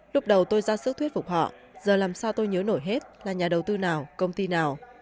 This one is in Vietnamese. lúc đầu tôi ra sức thuyết phục họ giờ làm sao tôi nhớ nổi hết là nhà đầu tư nào công ty nào